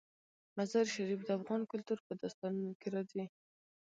مزارشریف د افغان کلتور په داستانونو کې راځي.